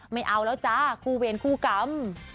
ไม่เอาแล้วจ้าคู่เวรคู่กรรม